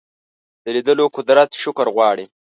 د لیدلو قدرت شکر غواړي